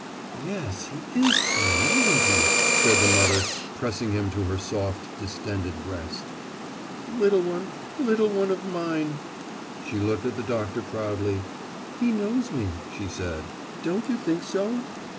"Yes, he is tiny, isn't he?" said the mother pressing him to her soft, distended breast. "Little one little one of mine." She looked at the doctor proudly. "He knows me," she said, "don't you think so?"